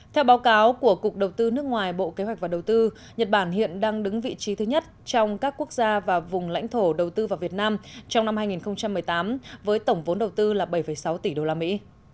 theo báo cáo của cục đầu tư nước ngoài bộ kế hoạch và đầu tư nhật bản hiện đang đứng vị trí thứ nhất trong các quốc gia và vùng lãnh thổ đầu tư vào việt nam trong năm hai nghìn một mươi tám với tổng vốn đầu tư là bảy sáu tỷ đô la mỹ